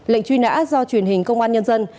lệnh truy nã do truyền hình công an nhân dân